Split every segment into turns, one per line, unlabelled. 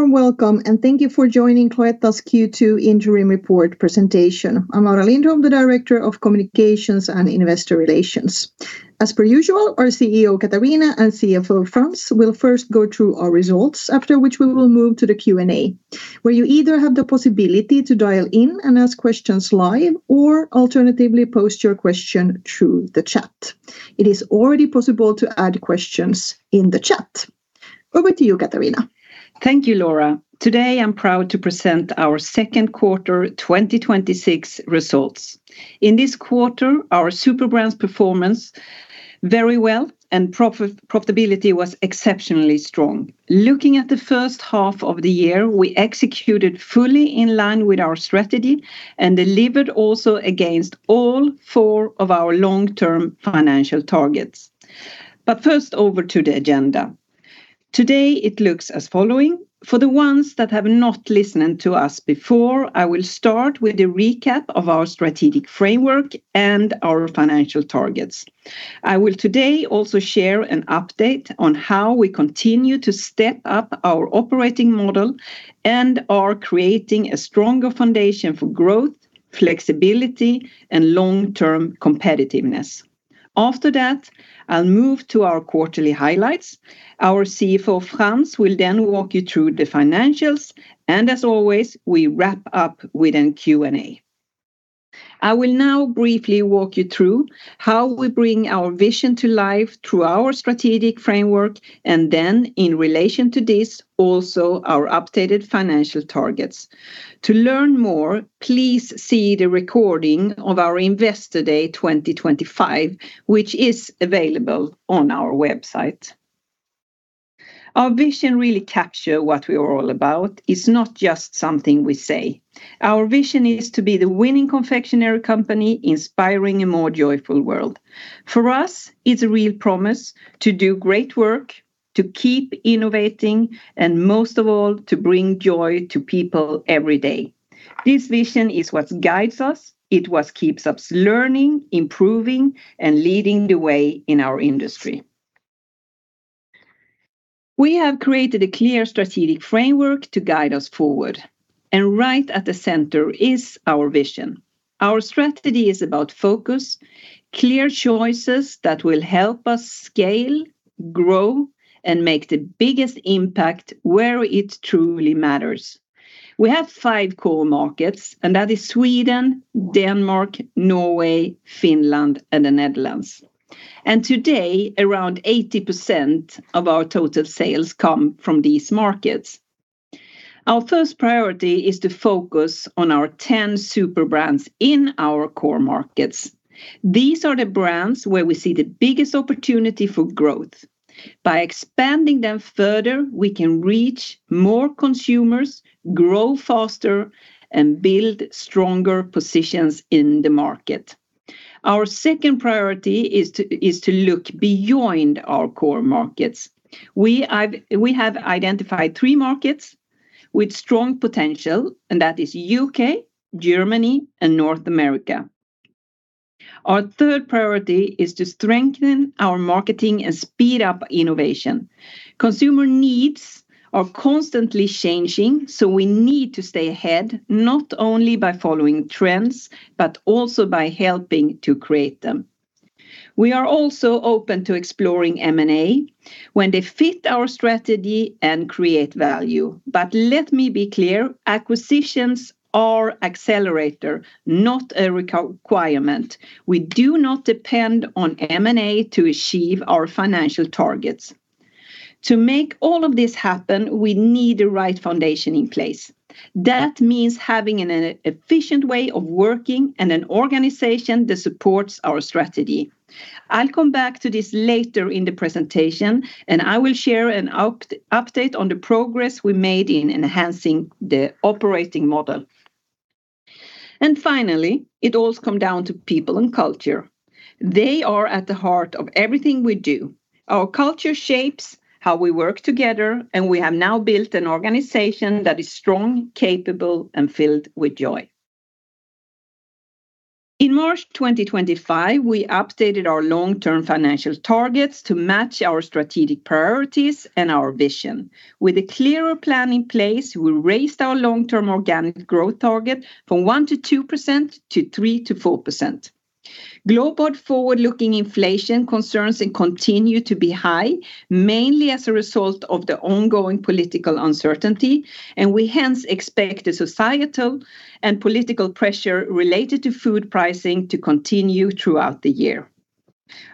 Very warm welcome, thank you for joining Cloetta's Q2 Interim Report Presentation. I'm Laura Lindholm, the Director of Communications and Investor Relations. As per usual, our CEO, Katarina, and CFO, Frans, will first go through our results, after which we will move to the Q&A, where you either have the possibility to dial in and ask questions live or alternatively, post your question through the chat. It is already possible to add questions in the chat. Over to you, Katarina.
Thank you, Laura. Today, I'm proud to present our second quarter 2026 results. In this quarter, our Superbrands performance very well, profitability was exceptionally strong. Looking at the first half of the year, we executed fully in line with our strategy, delivered also against all four of our long-term financial targets. First, over to the agenda. Today, it looks as following. For the ones that have not listened to us before, I will start with a recap of our strategic framework and our financial targets. I will today also share an update on how we continue to step up our operating model and are creating a stronger foundation for growth, flexibility, and long-term competitiveness. After that, I'll move to our quarterly highlights. Our CFO, Frans, will then walk you through the financials, as always, we wrap up with an Q&A. I will now briefly walk you through how we bring our vision to life through our strategic framework, then in relation to this, also our updated financial targets. To learn more, please see the recording of our Investor Day 2025, which is available on our website. Our vision really capture what we are all about. It's not just something we say. Our vision is to be the winning confectionery company inspiring a more joyful world. For us, it's a real promise to do great work, to keep innovating, most of all, to bring joy to people every day. This vision is what guides us. It what keeps us learning, improving, and leading the way in our industry. We have created a clear strategic framework to guide us forward, right at the center is our vision. Our strategy is about focus, clear choices that will help us scale, grow, and make the biggest impact where it truly matters. We have five core markets, that is Sweden, Denmark, Norway, Finland, and the Netherlands. Today, around 80% of our total sales come from these markets. Our first priority is to focus on our 10 Superbrands in our core markets. These are the brands where we see the biggest opportunity for growth. By expanding them further, we can reach more consumers, grow faster, build stronger positions in the market. Our second priority is to look beyond our core markets. We have identified three markets with strong potential, that is U.K., Germany, and North America. Our third priority is to strengthen our marketing and speed up innovation. Consumer needs are constantly changing. We need to stay ahead, not only by following trends but also by helping to create them. We are also open to exploring M&A when they fit our strategy and create value. Let me be clear, acquisitions are accelerator, not a requirement. We do not depend on M&A to achieve our financial targets. To make all of this happen, we need the right foundation in place. That means having an efficient way of working and an organization that supports our strategy. I will come back to this later in the presentation, and I will share an update on the progress we made in enhancing the operating model. Finally, it all comes down to people and culture. They are at the heart of everything we do. Our culture shapes how we work together, and we have now built an organization that is strong, capable, and filled with joy. In March 2025, we updated our long-term financial targets to match our strategic priorities and our vision. With a clearer plan in place, we raised our long-term organic growth target from 1%-2% to 3%-4%. Global forward-looking inflation concerns continue to be high, mainly as a result of the ongoing political uncertainty. We hence expect a societal and political pressure related to food pricing to continue throughout the year.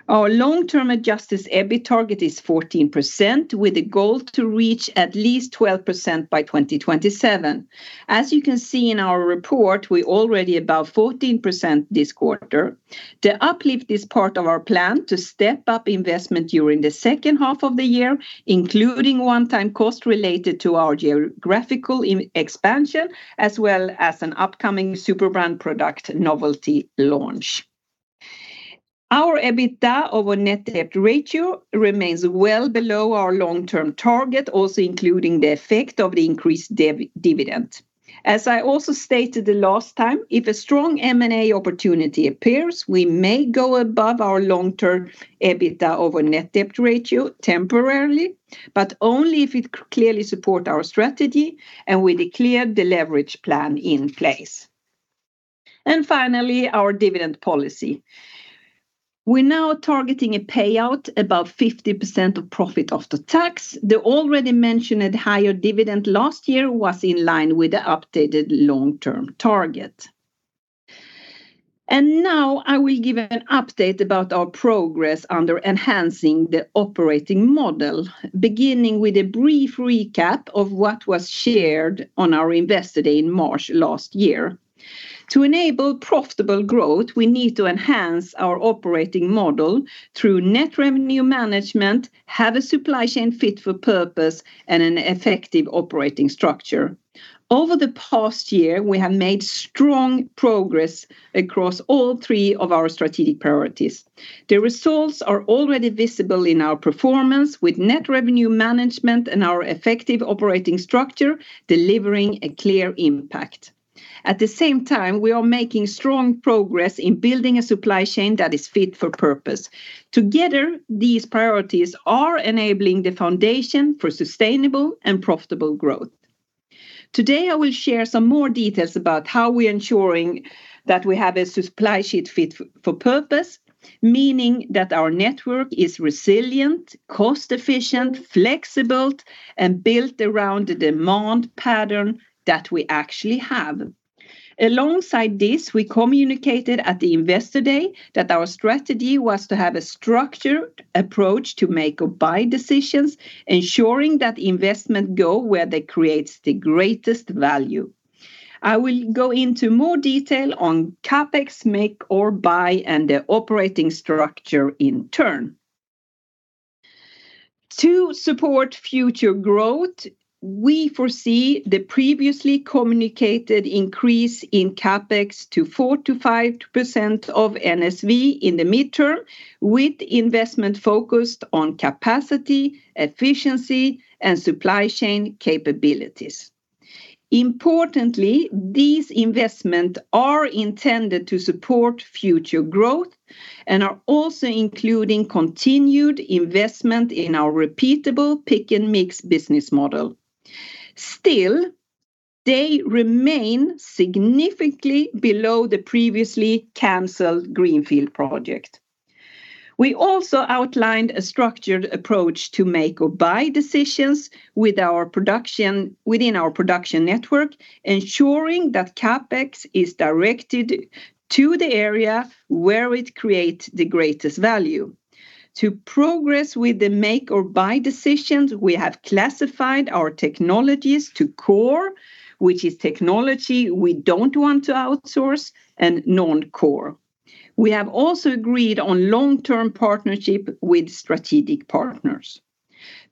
Our long-term adjusted EBIT target is 14%, with a goal to reach at least 12% by 2027. As you can see in our report, we are already above 14% this quarter. The uplift is part of our plan to step up investment during the second half of the year, including one-time cost related to our geographical expansion, as well as an upcoming Superbrand product novelty launch. Our EBITDA over net debt ratio remains well below our long-term target, also including the effect of the increased dividend. As I also stated the last time, if a strong M&A opportunity appears, we may go above our long-term EBITDA over net debt ratio temporarily, but only if it clearly supports our strategy and with a clear deleverage plan in place. Finally, our dividend policy. We are now targeting a payout above 50% of profit after tax. The already mentioned higher dividend last year was in line with the updated long-term target. Now I will give an update about our progress under enhancing the operating model, beginning with a brief recap of what was shared on our Investor Day in March last year. To enable profitable growth, we need to enhance our operating model through Net Revenue Management, have a supply chain fit for purpose, and an effective operating structure. Over the past year, we have made strong progress across all three of our strategic priorities. The results are already visible in our performance with Net Revenue Management and our effective operating structure delivering a clear impact. At the same time, we are making strong progress in building a supply chain that is fit for purpose. Together, these priorities are enabling the foundation for sustainable and profitable growth. Today, I will share some more details about how we're ensuring that we have a supply chain fit for purpose, meaning that our network is resilient, cost efficient, flexible, and built around the demand pattern that we actually have. Alongside this, we communicated at the Investor Day that our strategy was to have a structured approach to make or buy decisions, ensuring that investment go where they creates the greatest value. I will go into more detail on CapEx make or buy and the operating structure in turn. To support future growth, we foresee the previously communicated increase in CapEx to 4%-5% of NSV in the midterm, with investment focused on capacity, efficiency, and supply chain capabilities. Importantly, these investment are intended to support future growth and are also including continued investment in our repeatable Pick & Mix business model. They remain significantly below the previously canceled greenfield project. We also outlined a structured approach to make or buy decisions within our production network, ensuring that CapEx is directed to the area where it creates the greatest value. To progress with the make or buy decisions, we have classified our technologies to core, which is technology we don't want to outsource, and non-core. We have also agreed on long-term partnership with strategic partners.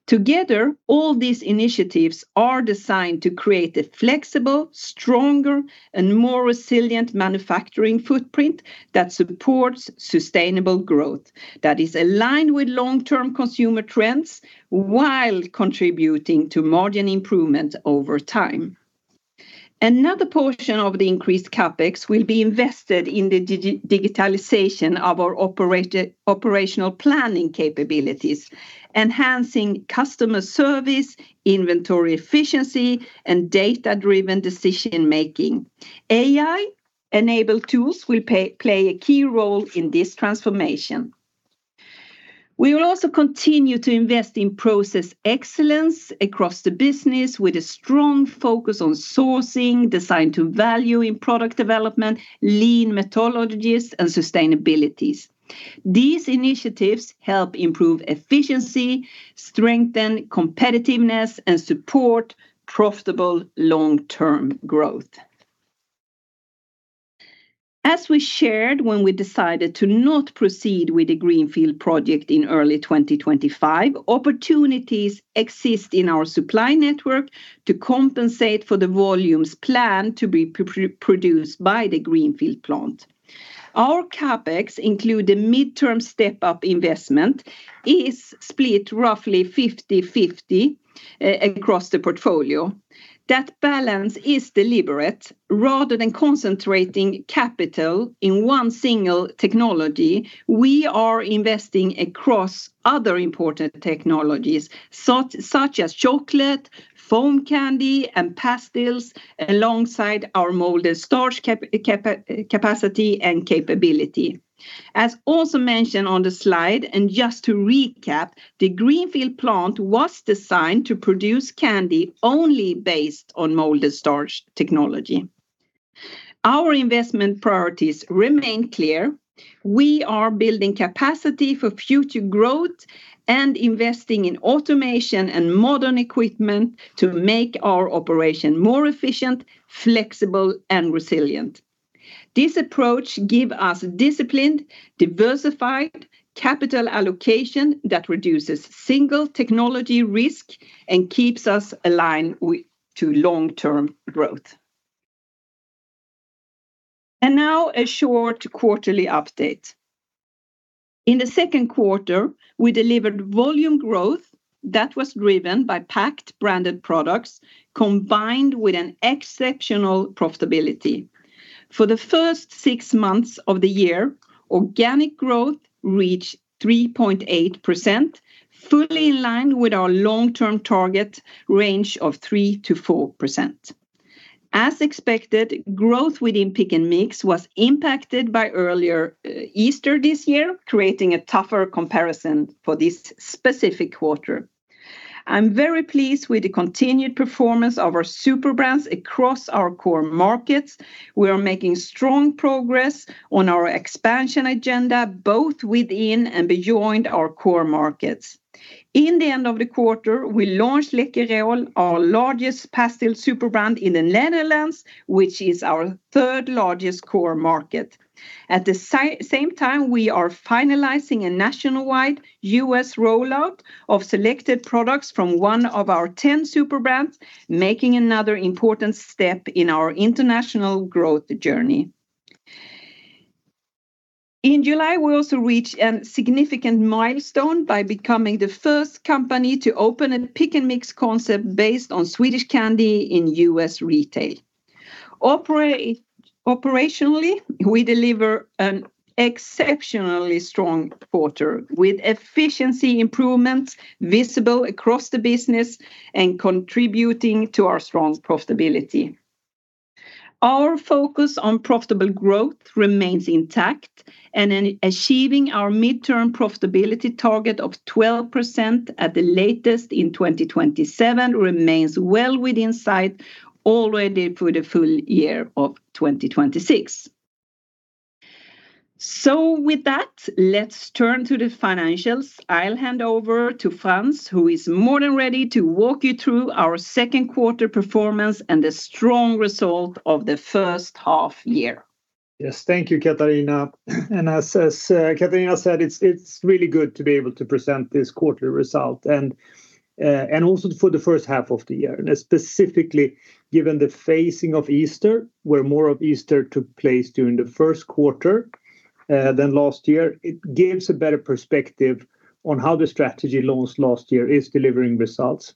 Together, all these initiatives are designed to create a flexible, stronger, and more resilient manufacturing footprint that supports sustainable growth that is aligned with long-term consumer trends while contributing to margin improvement over time. Another portion of the increased CapEx will be invested in the digitalization of our operational planning capabilities, enhancing customer service, inventory efficiency, and data-driven decision making. AI-enabled tools will play a key role in this transformation. We will also continue to invest in process excellence across the business with a strong focus on sourcing, Design to Value in product development, lean methodologies, and sustainabilities. These initiatives help improve efficiency, strengthen competitiveness, and support profitable long-term growth. As we shared when we decided to not proceed with the greenfield project in early 2025, opportunities exist in our supply network to compensate for the volumes planned to be produced by the greenfield plant. Our CapEx include a midterm step-up investment is split roughly 50/50 across the portfolio. That balance is deliberate. Rather than concentrating capital in one single technology, we are investing across other important technologies such as chocolate, foam candy, and pastilles, alongside our molded starch capacity and capability. Also mentioned on the slide, and just to recap, the greenfield plant was designed to produce candy only based on molded starch technology. Our investment priorities remain clear. We are building capacity for future growth and investing in automation and modern equipment to make our operation more efficient, flexible, and resilient. This approach give us disciplined, diversified capital allocation that reduces single technology risk and keeps us aligned to long-term growth. Now a short quarterly update. In the second quarter, we delivered volume growth that was driven by packed branded products, combined with an exceptional profitability. For the first six months of the year organic growth reached 3.8%, fully in line with our long-term target range of 3%-4%. Expected, growth within Pick & Mix was impacted by earlier Easter this year, creating a tougher comparison for this specific quarter. I'm very pleased with the continued performance of our Superbrands across our core markets. We are making strong progress on our expansion agenda, both within and beyond our core markets. In the end of the quarter, we launched Läkerol, our largest pastille Superbrand in the Netherlands, which is our third largest core market. At the same time, we are finalizing a nationwide U.S. rollout of selected products from one of our 10 Superbrands, making another important step in our international growth journey. In July, we also reached a significant milestone by becoming the first company to open a Pick & Mix concept based on Swedish candy in U.S. retail. Operationally, we deliver an exceptionally strong quarter with efficiency improvements visible across the business and contributing to our strong profitability. Our focus on profitable growth remains intact, and in achieving our midterm profitability target of 12% at the latest in 2027 remains well within sight already for the full year of 2026. With that, let's turn to the financials. I'll hand over to Frans, who is more than ready to walk you through our second quarter performance and the strong result of the first half year.
Yes. Thank you, Katarina. As Katarina said, it's really good to be able to present this quarterly result and also for the first half of the year, specifically given the phasing of Easter, where more of Easter took place during the first quarter than last year. It gives a better perspective on how the strategy launched last year is delivering results.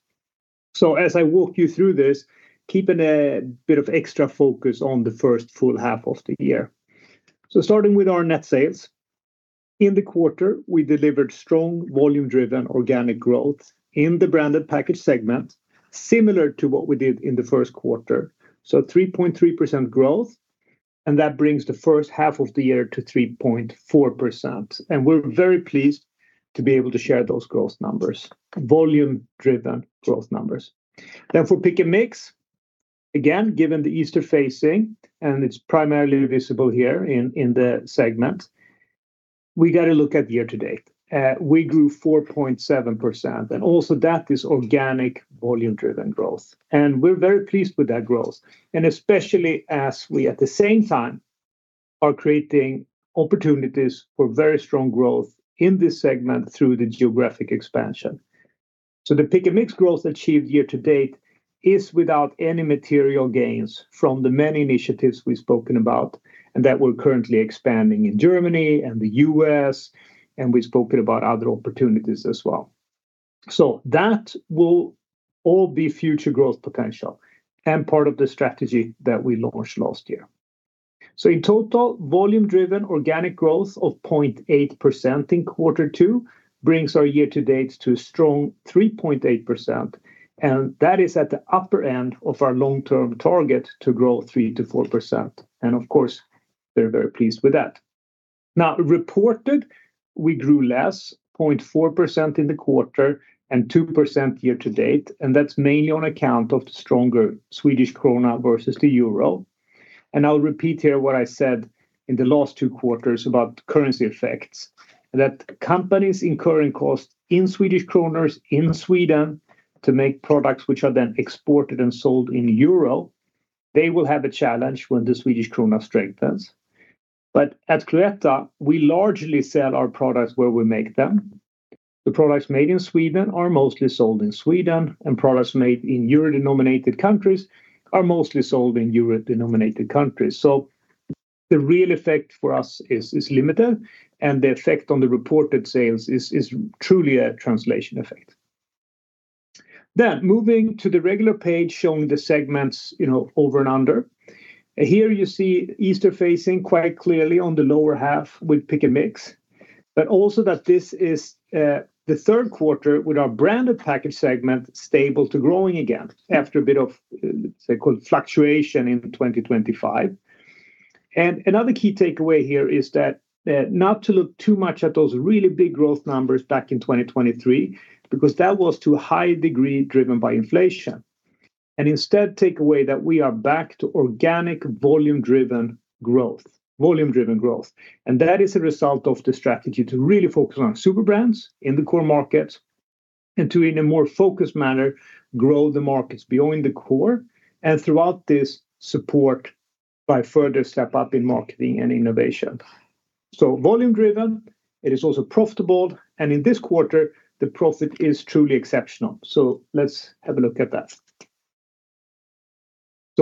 As I walk you through this, keep a bit of extra focus on the first full half of the year. Starting with our net sales. In the quarter, we delivered strong volume driven organic growth in the branded package segment, similar to what we did in the first quarter. 3.3% growth, and that brings the first half of the year to 3.4%. We're very pleased to be able to share those growth numbers, volume driven growth numbers. For Pick & Mix, again, given the Easter phasing, it's primarily visible here in the segment, we got to look at year to date. We grew 4.7%, also that is organic volume driven growth. We're very pleased with that growth, especially as we, at the same time, are creating opportunities for very strong growth in this segment through the geographic expansion. The Pick & Mix growth achieved year to date is without any material gains from the many initiatives we've spoken about, that we're currently expanding in Germany and the U.S., we've spoken about other opportunities as well. That will all be future growth potential and part of the strategy that we launched last year. In total, volume-driven organic growth of 0.8% in Q2 brings our year-to-date to a strong 3.8%, and that is at the upper end of our long-term target to grow 3%-4%. Of course, very, very pleased with that. Reported, we grew less, 0.4% in the quarter and 2% year-to-date, and that's mainly on account of the stronger Swedish krona versus the euro. I'll repeat here what I said in the last two quarters about currency effects, that companies incurring costs in Swedish kronas in Sweden to make products which are then exported and sold in euro, they will have a challenge when the Swedish krona strengthens. At Cloetta, we largely sell our products where we make them. The products made in Sweden are mostly sold in Sweden, and products made in euro denominated countries are mostly sold in euro denominated countries. The real effect for us is limited, and the effect on the reported sales is truly a translation effect. Moving to the regular page showing the segments over and under. Here you see Easter phasing quite clearly on the lower half with Pick & Mix, but also that this is the third quarter with our branded package segment stable to growing again after a bit of fluctuation in 2025. Another key takeaway here is that not to look too much at those really big growth numbers back in 2023, because that was to a high degree driven by inflation. Instead take away that we are back to organic volume-driven growth. That is a result of the strategy to really focus on Superbrands in the core markets and to, in a more focused manner, grow the markets beyond the core and throughout this support by further step up in marketing and innovation. Volume-driven, it is also profitable, and in this quarter, the profit is truly exceptional. Let's have a look at that.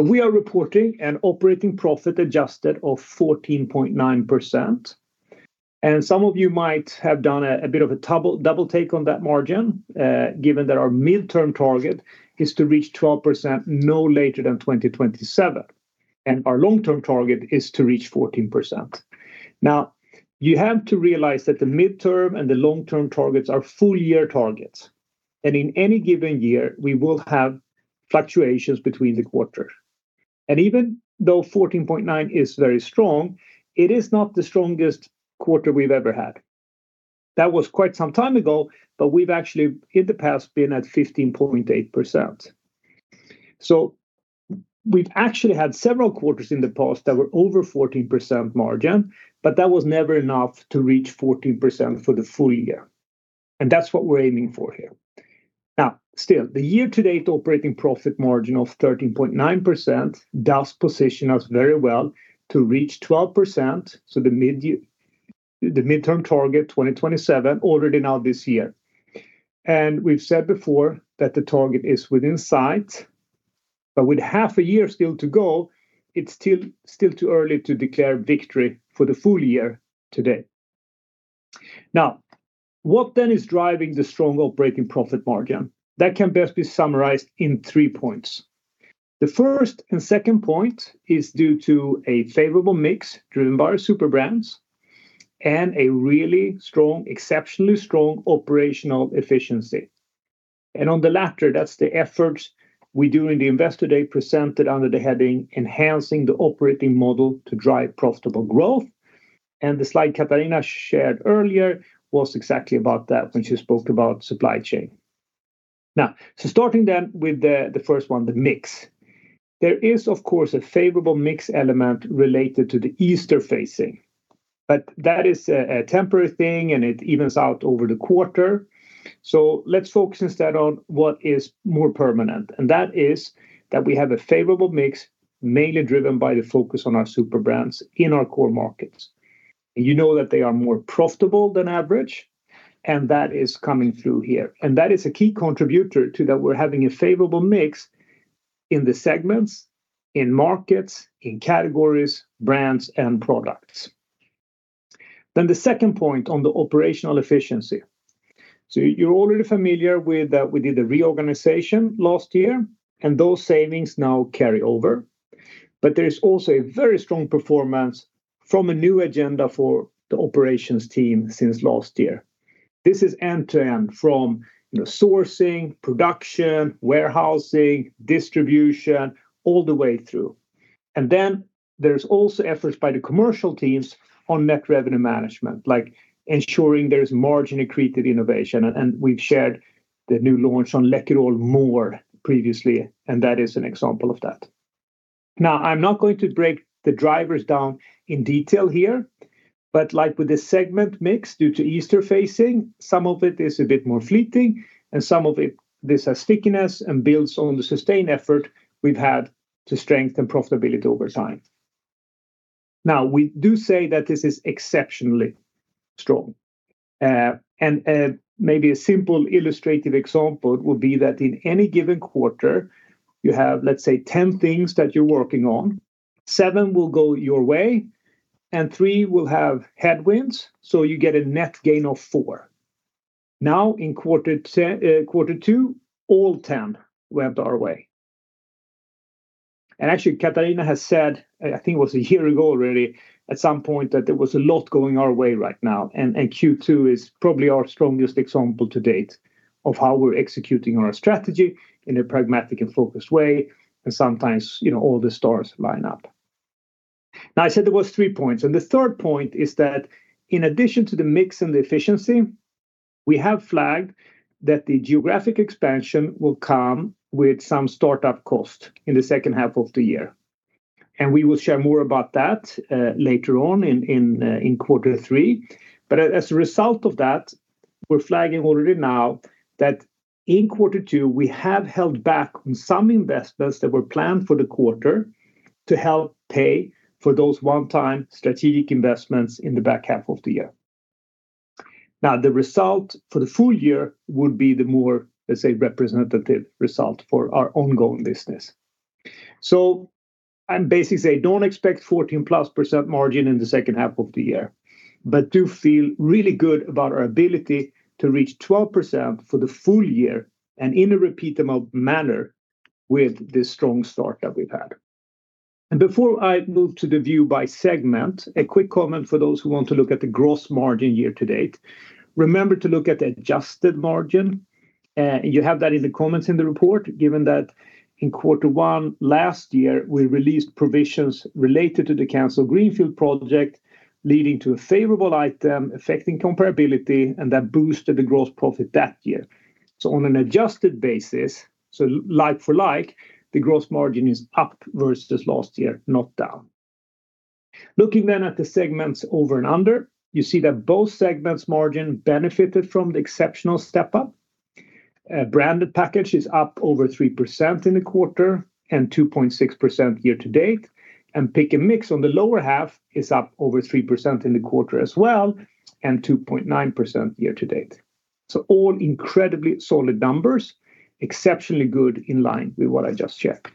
We are reporting an operating profit adjusted of 14.9%. Some of you might have done a bit of a double take on that margin, given that our mid-term target is to reach 12% no later than 2027, and our long-term target is to reach 14%. You have to realize that the mid-term and the long-term targets are full-year targets. In any given year, we will have fluctuations between the quarters. Even though 14.9% is very strong, it is not the strongest quarter we've ever had. That was quite some time ago, but we've actually in the past been at 15.8%. We've actually had several quarters in the past that were over 14% margin, but that was never enough to reach 14% for the full-year, and that's what we're aiming for here. Still, the year-to-date operating profit margin of 13.9% does position us very well to reach 12%, so the mid-term target 2027 already now this year. We've said before that the target is within sight, but with half a year still to go, it's still too early to declare victory for the full-year today. What then is driving the strong operating profit margin? That can best be summarized in three points. The first and second point is due to a favorable mix driven by our Superbrands and a really strong, exceptionally strong operational efficiency. On the latter, that's the efforts we do in the Investor Day presented under the heading Enhancing the Operating Model to Drive Profitable Growth. The slide Katarina shared earlier was exactly about that when she spoke about supply chain. Starting then with the first one, the mix. There is of course a favorable mix element related to the Easter phasing. That is a temporary thing and it evens out over the quarter. Let's focus instead on what is more permanent, and that is that we have a favorable mix, mainly driven by the focus on our Superbrands in our core markets. You know that they are more profitable than average, and that is coming through here. That is a key contributor to that we're having a favorable mix in the segments, in markets, in categories, brands, and products. The second point on the operational efficiency. You're already familiar with that we did the reorganization last year, and those savings now carry over. There is also a very strong performance from a new agenda for the operations team since last year. This is end-to-end from sourcing, production, warehousing, distribution, all the way through. There's also efforts by the commercial teams on Net Revenue Management, like ensuring there's margin-accretive innovation. We've shared the new launch on Läkerol More previously, and that is an example of that. I'm not going to break the drivers down in detail here, but like with the segment mix due to Easter phasing, some of it is a bit more fleeting, and some of it has stickiness and builds on the sustained effort we've had to strengthen profitability over time. We do say that this is exceptionally strong. Maybe a simple illustrative example would be that in any given quarter, you have, let's say, 10 things that you're working on. Seven will go your way and three will have headwinds, so you get a net gain of four. In quarter two, all 10 went our way. Katarina has said, I think it was a year ago already at some point, that there was a lot going our way right now, and Q2 is probably our strongest example to date of how we're executing our strategy in a pragmatic and focused way. Sometimes all the stars line up. I said there was three points, the third point is that in addition to the mix and the efficiency, we have flagged that the geographic expansion will come with some startup cost in the second half of the year. We will share more about that later on in quarter three. As a result of that, we're flagging already now that in quarter two, we have held back on some investments that were planned for the quarter to help pay for those one-time strategic investments in the back half of the year. The result for the full year would be the more, let's say, representative result for our ongoing business. I'm basically saying don't expect 14%+ margin in the second half of the year, but do feel really good about our ability to reach 12% for the full year and in a repeatable manner with the strong start that we've had. Before I move to the view by segment, a quick comment for those who want to look at the gross margin year to date. Remember to look at the adjusted margin. You have that in the comments in the report, given that in quarter one last year, we released provisions related to the canceled Greenfield project, leading to a favorable item affecting comparability and that boosted the gross profit that year. On an adjusted basis, like-for-like, the gross margin is up versus last year, not down. Looking then at the segments over and under, you see that both segments margin benefited from the exceptional step-up. Branded packaged is up over 3% in the quarter and 2.6% year to date. Pick & Mix on the lower half is up over 3% in the quarter as well and 2.9% year to date. All incredibly solid numbers, exceptionally good in line with what I just shared.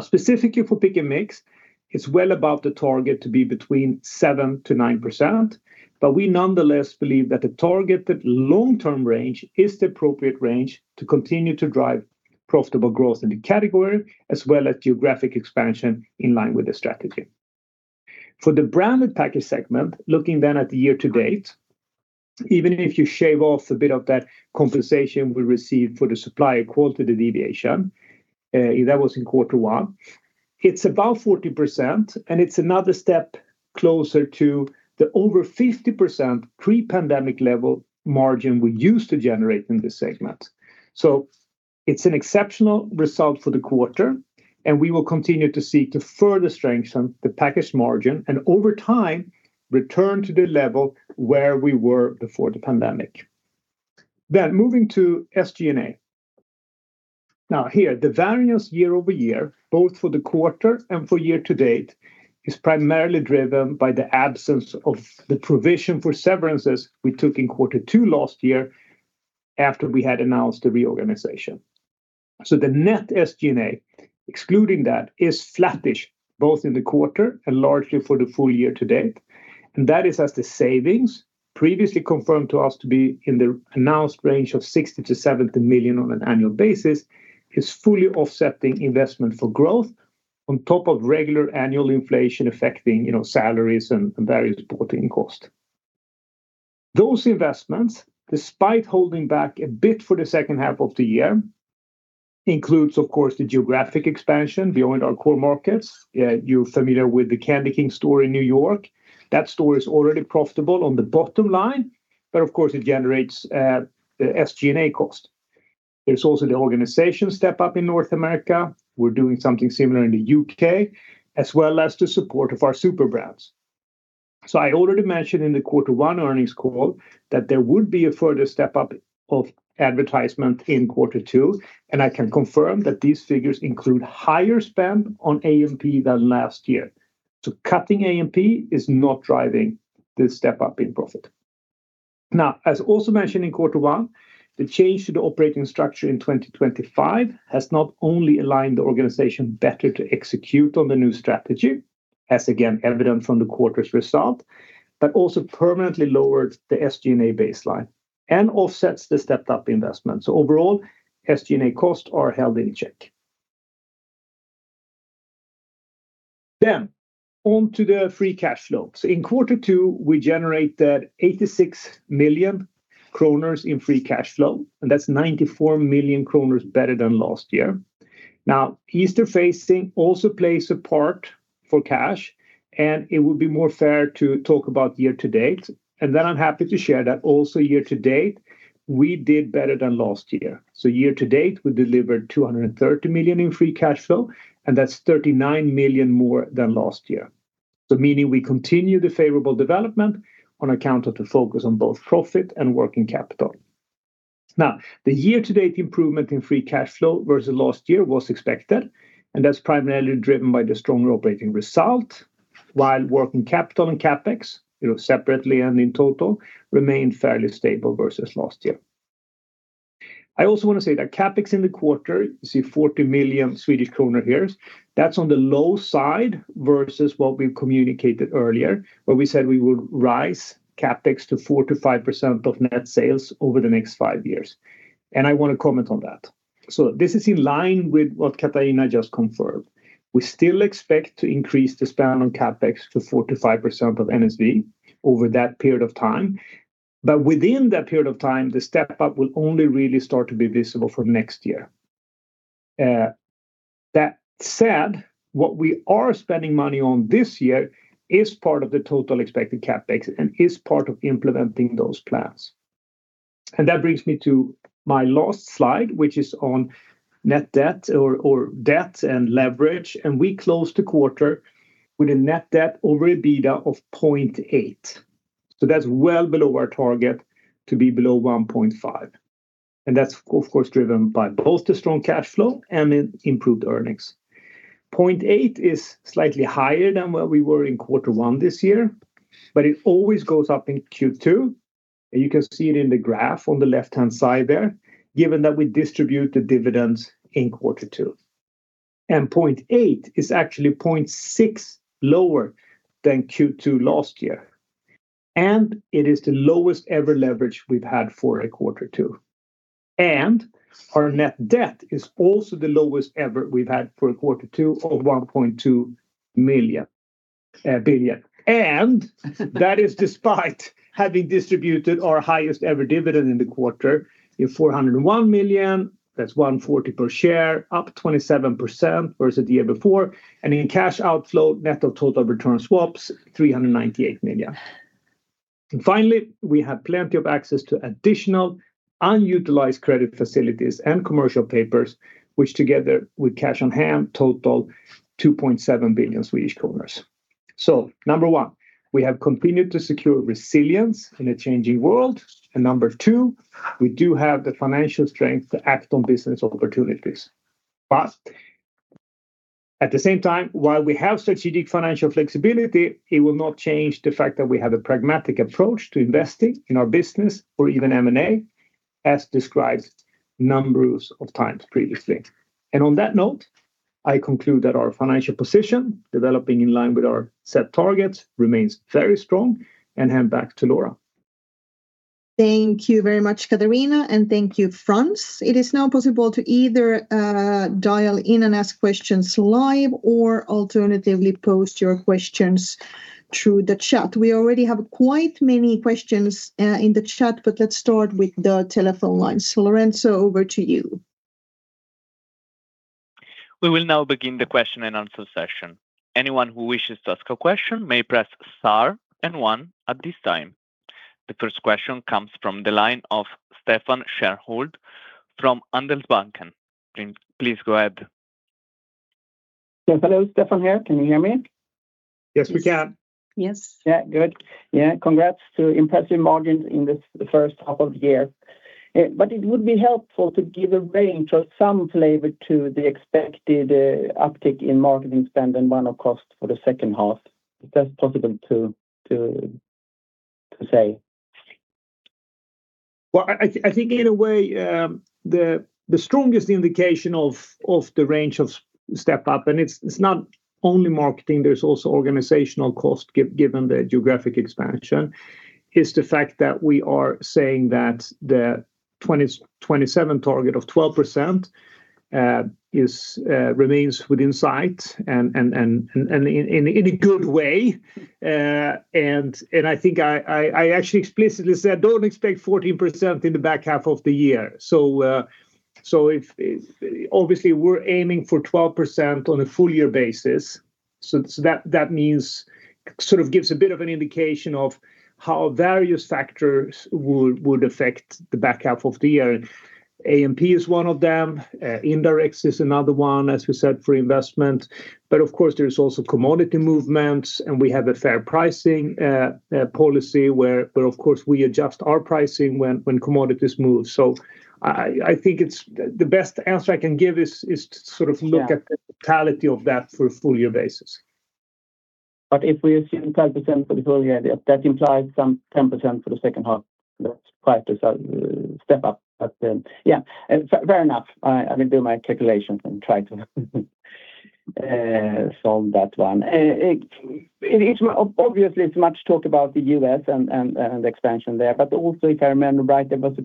Specifically for Pick & Mix, it's well above the target to be between 7%-9%, but we nonetheless believe that the targeted long-term range is the appropriate range to continue to drive profitable growth in the category, as well as geographic expansion in line with the strategy. For the Branded packaged segment, looking then at the year to date, even if you shave off a bit of that compensation we received for the supplier quality deviation, that was in quarter one, it's above 40% and it's another step closer to the over 50% pre-pandemic level margin we used to generate in this segment. It's an exceptional result for the quarter, and we will continue to seek to further strengthen the packaged margin and over time, return to the level where we were before the pandemic. Moving to SG&A. Here, the variance year-over-year, both for the quarter and for year to date, is primarily driven by the absence of the provision for severances we took in quarter two last year after we had announced a reorganization. The net SG&A, excluding that, is flattish, both in the quarter and largely for the full year to date, and that is as the savings previously confirmed to us to be in the announced range of 60 million-70 million on an annual basis is fully offsetting investment for growth on top of regular annual inflation affecting salaries and various supporting costs. Those investments, despite holding back a bit for the second half of the year, includes, of course, the geographic expansion beyond our core markets. You're familiar with the CandyKing store in New York. That store is already profitable on the bottom line, but of course, it generates SG&A cost. There's also the organization step up in North America. We're doing something similar in the U.K., as well as the support of our Superbrands. I already mentioned in the quarter one earnings call that there would be a further step up of advertisement in quarter two, and I can confirm that these figures include higher spend on A&P than last year. Cutting A&P is not driving this step up in profit. As also mentioned in quarter one, the change to the operating structure in 2025 has not only aligned the organization better to execute on the new strategy, as again evident from the quarter's result, but also permanently lowered the SG&A baseline and offsets the stepped up investment. Overall, SG&A costs are held in check. On to the free cash flow. In quarter two, we generated 86 million kronor in free cash flow, and that's 94 million kronor better than last year. Easter phasing also plays a part for cash, and it would be more fair to talk about year to date. I'm happy to share that also year to date, we did better than last year. Year to date, we delivered 230 million in free cash flow, and that's 39 million more than last year. Meaning we continue the favorable development on account of the focus on both profit and working capital. The year to date improvement in free cash flow versus last year was expected, and that's primarily driven by the stronger operating result, while working capital and CapEx, separately and in total, remained fairly stable versus last year. I also want to say that CapEx in the quarter, you see 40 million Swedish kronor here. That's on the low side versus what we communicated earlier, where we said we would rise CapEx to 4%-5% of net sales over the next five years. I want to comment on that. This is in line with what Katarina just confirmed. We still expect to increase the spend on CapEx to 4%-5% of NSV over that period of time. Within that period of time, the step up will only really start to be visible from next year. That said, what we are spending money on this year is part of the total expected CapEx and is part of implementing those plans. That brings me to my last slide, which is on net debt or debt and leverage, and we closed the quarter with a net debt or EBITDA of 0.8x. That's well below our target to be below 1.5x. That's of course driven by both the strong cash flow and improved earnings. 0.8x is slightly higher than where we were in quarter one this year, but it always goes up in Q2, and you can see it in the graph on the left-hand side there, given that we distribute the dividends in quarter two. 0.8x is actually 0.6x lower than Q2 last year. It is the lowest ever leverage we've had for a quarter two. Our net debt is also the lowest ever we've had for a quarter two of 1.2 billion. That is despite having distributed our highest ever dividend in the quarter in 401 million, that's 140 per share, up 27% versus the year before, and in cash outflow, net of total return swap, 398 million. Finally, we have plenty of access to additional unutilized credit facilities and commercial papers, which together with cash on hand total 2.7 billion Swedish kronor. Number one, we have continued to secure resilience in a changing world. Number two, we do have the financial strength to act on business opportunities. At the same time, while we have strategic financial flexibility, it will not change the fact that we have a pragmatic approach to investing in our business or even M&A as described numbers of times previously. On that note, I conclude that our financial position, developing in line with our set targets, remains very strong, and hand back to Laura.
Thank you very much, Katarina, and thank you, Frans. It is now possible to either dial in and ask questions live or alternatively post your questions through the chat. We already have quite many questions in the chat, but let's start with the telephone lines. Lorenzo, over to you.
We will now begin the question and answer session. Anyone who wishes to ask a question may press star one at this time. The first question comes from the line of Stefan Stjernholm from Handelsbanken. Please go ahead.
Hello, Stefan here. Can you hear me?
Yes, we can.
Yes.
Good. Congrats to impressive margins in this first half of the year. It would be helpful to give a range or some flavor to the expected uptick in marketing spend and one-off costs for the second half, if that's possible to say.
I think in a way, the strongest indication of the range of step up, and it's not only marketing, there's also organizational cost given the geographic expansion, is the fact that we are saying that the 2027 target of 12% remains within sight and in a good way. I think I actually explicitly said, "Don't expect 14% in the back half of the year." Obviously, we're aiming for 12% on a full year basis. That means, sort of gives a bit of an indication of how various factors would affect the back half of the year. A&P is one of them. Indirects is another one, as we said, for investment. Of course, there's also commodity movements, and we have a fair pricing policy where of course, we adjust our pricing when commodities move. I think the best answer I can give is to sort of look at the totality of that for a full year basis.
If we assume 12% for the full year, that implies some 10% for the second half. That's quite a step up. Yeah. Fair enough. I will do my calculations and try to solve that one. Obviously, it's much talk about the U.S. and the expansion there, but also, if I remember right, there was a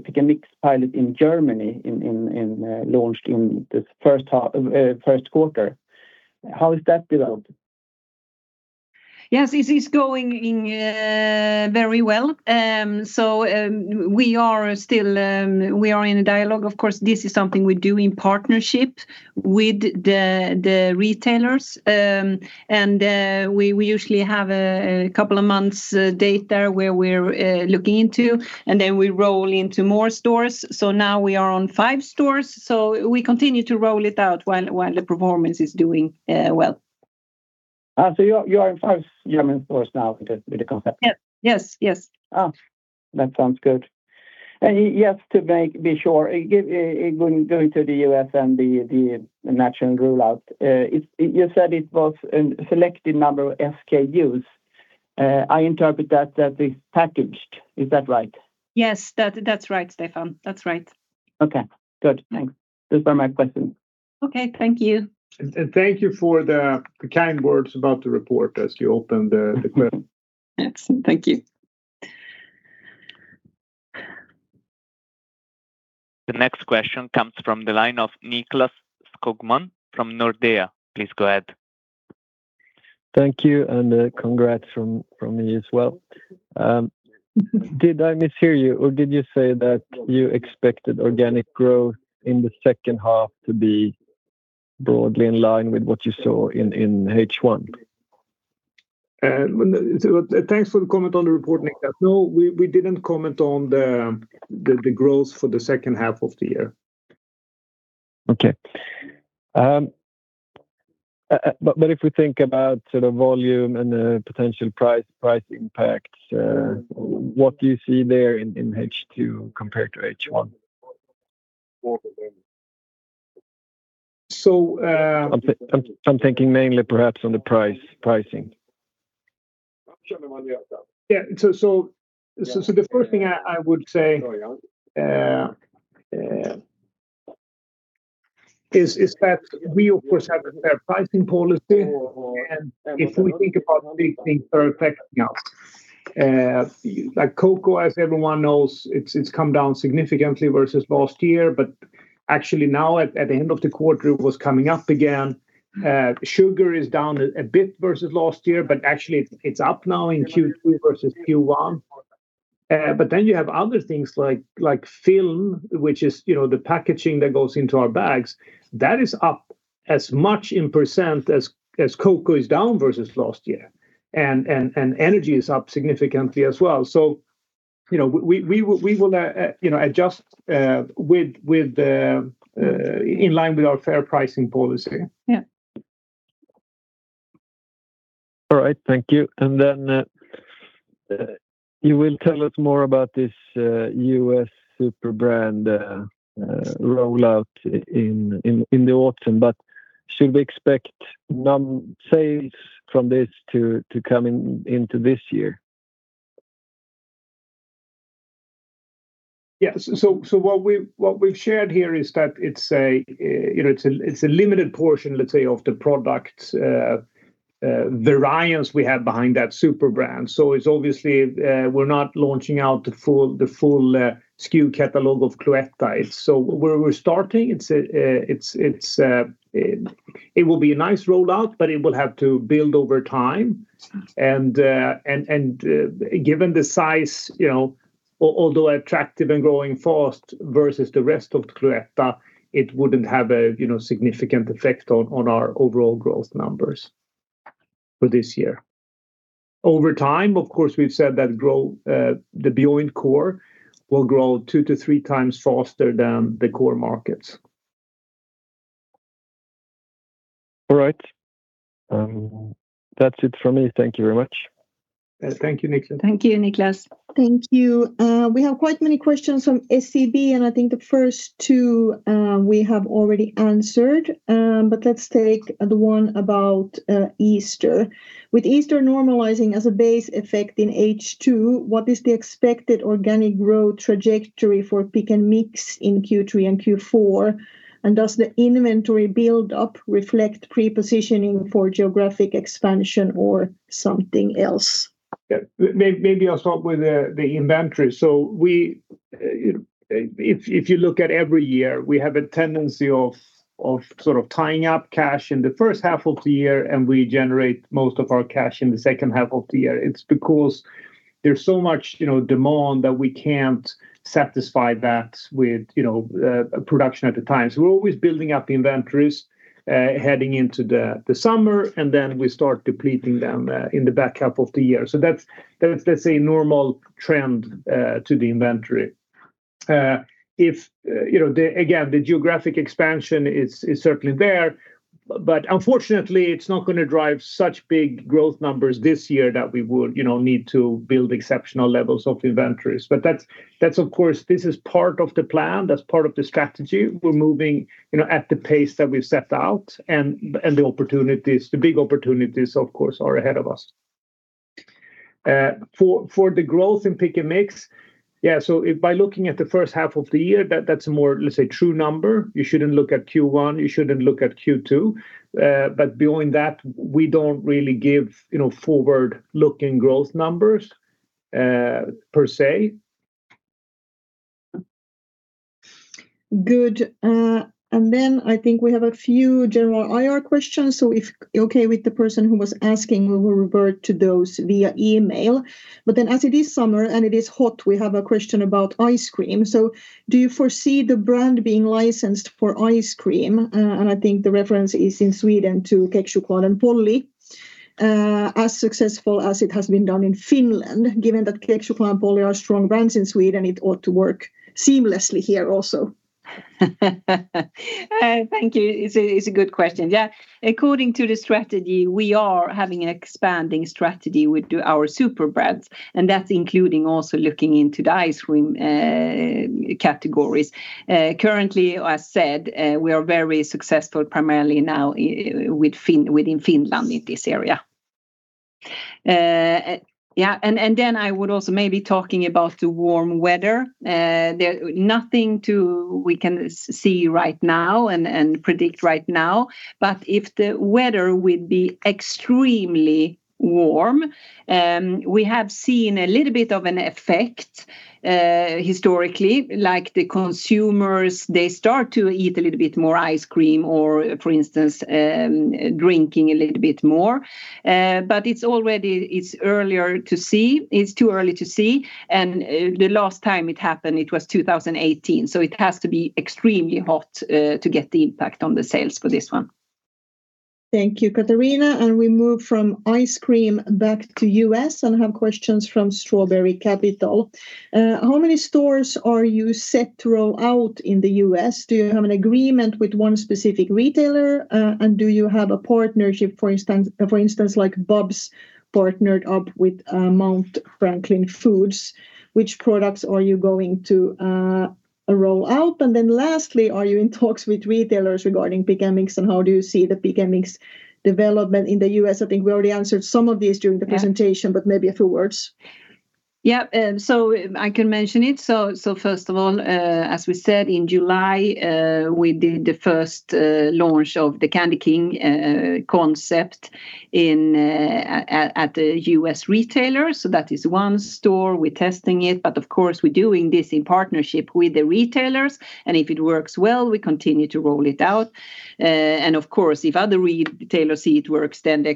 Pick & Mix pilot in Germany, launched in the first quarter. How has that developed?
Yes. It's going very well. We are in a dialogue. Of course, this is something we do in partnership with the retailers. We usually have a couple of months data where we're looking into, and then we roll into more stores. Now we are on five stores. We continue to roll it out while the performance is doing well.
You are in five German stores now with the concept?
Yes.
That sounds good. Just to be sure, going to the U.S. and the national rollout, you said it was a selected number of SKU. I interpret that they're packaged. Is that right?
Yes. That's right, Stefan. That's right.
Okay. Good. Thanks. Those were my questions.
Okay. Thank you.
Thank you for the kind words about the report as you opened the question.
Excellent. Thank you.
The next question comes from the line of Nicklas Skogman from Nordea. Please go ahead.
Thank you, and congrats from me as well. Did I mishear you, or did you say that you expected organic growth in the second half to be broadly in line with what you saw in H1?
Thanks for the comment on the report, Nicklas. We didn't comment on the growth for the second half of the year.
Okay. If we think about sort of volume and the potential price impacts, what do you see there in H2 compared to H1? I'm thinking mainly perhaps on the pricing.
Yeah. The first thing I would say is that we, of course, have a fair pricing policy. If we think about big things that are affecting us, like cocoa, as everyone knows, it's come down significantly versus last year. Actually now at the end of the quarter, it was coming up again. Sugar is down a bit versus last year, but actually it's up now in Q2 versus Q1. Then you have other things like film, which is the packaging that goes into our bags. That is up as much in percent as cocoa is down versus last year. Energy is up significantly as well. We will adjust in line with our fair pricing policy.
Yeah.
All right. Thank you. You will tell us more about this U.S. Superbrands rollout in the autumn. Should we expect sales from this to come into this year?
Yes. What we've shared here is that it's a limited portion, let's say, of the product variance we have behind that Superbrands. Obviously, we're not launching out the full SKU catalog of Cloetta. Where we're starting, it will be a nice rollout, but it will have to build over time, and given the size, although attractive and growing fast versus the rest of Cloetta, it wouldn't have a significant effect on our overall growth numbers for this year. Over time, of course, we've said that the Beyond core will grow 2x to 3x faster than the core markets.
All right. That's it from me. Thank you very much.
Thank you, Nicklas.
Thank you, Nicklas.
Thank you. We have quite many questions from SEB. I think the first two we have already answered, but let's take the one about Easter. With Easter normalizing as a base effect in H2, what is the expected organic growth trajectory for Pick & Mix in Q3 and Q4? Does the inventory build-up reflect pre-positioning for geographic expansion or something else?
Yeah. Maybe I'll start with the inventory. If you look at every year, we have a tendency of sort of tying up cash in the first half of the year. We generate most of our cash in the second half of the year. It's because there's so much demand that we can't satisfy that with production at the time. We're always building up inventories heading into the summer. Then we start depleting them in the back half of the year. That's, let's say, normal trend to the inventory. Again, the geographic expansion is certainly there. Unfortunately, it's not going to drive such big growth numbers this year that we would need to build exceptional levels of inventories. Of course, this is part of the plan. That's part of the strategy. We're moving at the pace that we've set out. The big opportunities, of course, are ahead of us. For the growth in Pick & Mix, by looking at the first half of the year, that's a more, let's say, true number. You shouldn't look at Q1, you shouldn't look at Q2. Beyond that, we don't really give forward-looking growth numbers per se.
Good. Then I think we have a few general IR questions. If you're okay with the person who was asking, we will revert to those via email. Then as it is summer and it is hot, we have a question about ice cream. Do you foresee the brand being licensed for ice cream? I think the reference is in Sweden to Kexchoklad and Polly, as successful as it has been done in Finland, given that Kexchoklad and Polly are strong brands in Sweden, it ought to work seamlessly here also.
Thank you. It's a good question. According to the strategy, we are having an expanding strategy with our Superbrands, and that's including also looking into the ice cream categories. Currently, as said, we are very successful primarily now within Finland in this area. Then I would also maybe talking about the warm weather, nothing we can see right now and predict right now, but if the weather would be extremely warm, we have seen a little bit of an effect historically, like the consumers, they start to eat a little bit more ice cream or, for instance, drinking a little bit more. It's too early to see, and the last time it happened, it was 2018, so it has to be extremely hot to get the impact on the sales for this one.
Thank you, Katarina. We move from ice cream back to U.S. and have questions from Strawberry Capital. How many stores are you set to roll out in the U.S.? Do you have an agreement with one specific retailer, and do you have a partnership, for instance, like Bubs partnered up with Mount Franklin Foods? Which products are you going to roll out? Lastly, are you in talks with retailers regarding Pick & Mix, and how do you see the Pick & Mix development in the U.S.? I think we already answered some of these during the presentation. Maybe a few words.
I can mention it. First of all, as we said in July, we did the first launch of the CandyKing concept at the U.S. retailer. That is one store. We're testing it, but of course, we're doing this in partnership with the retailers, and if it works well, we continue to roll it out, and of course, if other retailers see it works, then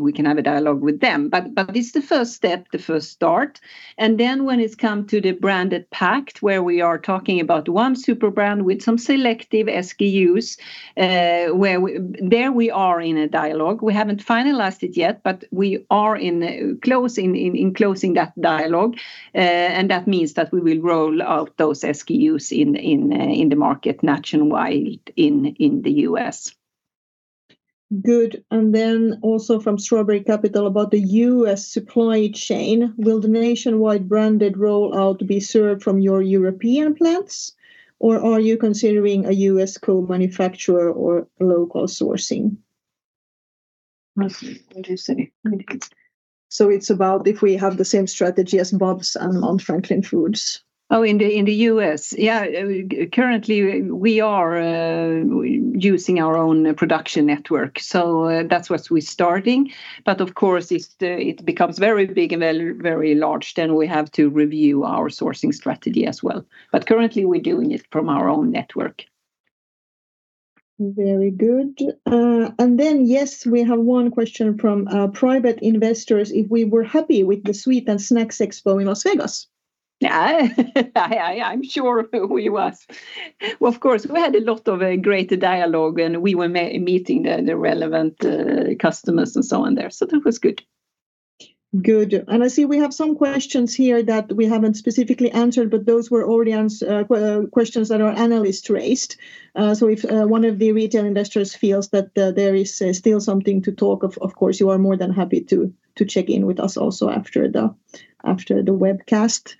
we can have a dialogue with them. It's the first step, the first start, and then when it's come to the branded pact where we are talking about one Superbrand with some selective SKU, there we are in a dialogue. We haven't finalized it yet, but we are enclosing that dialogue, and that means that we will roll out those SKU in the market nationwide in the U.S.
Good. Also from Strawberry Capital about the U.S. supply chain. Will the nationwide branded rollout be served from your European plants, or are you considering a U.S. co-manufacturer or local sourcing? It's about if we have the same strategy as Bubs and Mount Franklin Foods.
In the U.S. Currently, we are using our own production network. That's what we're starting. Of course, it becomes very big and very large, then we have to review our sourcing strategy as well. Currently, we're doing it from our own network.
Very good. Yes, we have one question from private investors, if we were happy with the Sweets & Snacks Expo in Las Vegas?
I'm sure we was. Of course, we had a lot of great dialogue, and we were meeting the relevant customers and so on there. That was good.
Good. I see we have some questions here that we haven't specifically answered, but those were already questions that our analysts raised. If one of the retail investors feels that there is still something to talk of course, you are more than happy to check in with us also after the webcast.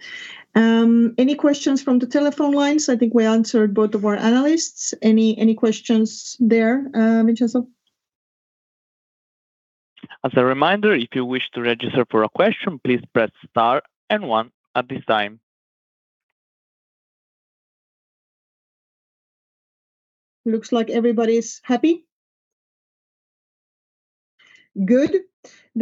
Any questions from the telephone lines? I think we answered both of our analysts. Any questions there, Lorenzo?
As a reminder, if you wish to register for a question, please press star and one at this time.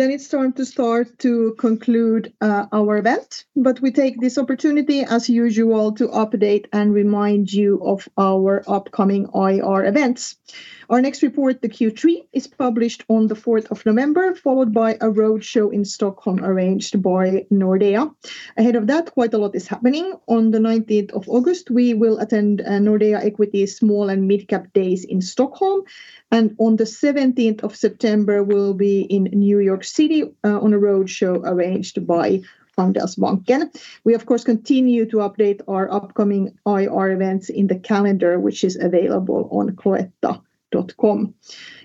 It's time to start to conclude our event, but we take this opportunity as usual to update and remind you of our upcoming IR events. Our next report, the Q3, is published on the 4th of November, followed by a road show in Stockholm arranged by Nordea. Ahead of that, quite a lot is happening. On the 19th of August, we will attend Nordea Equity's Small and Mid Cap Days in Stockholm, and on the 17th of September, we'll be in New York City on a road show arranged by Handelsbanken. We, of course, continue to update our upcoming IR events in the calendar, which is available on cloetta.com.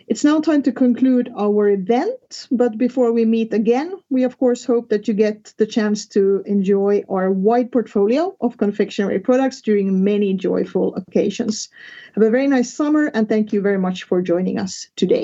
It's now time to conclude our event, but before we meet again, we of course hope that you get the chance to enjoy our wide portfolio of confectionery products during many joyful occasions. Have a very nice summer, and thank you very much for joining us today.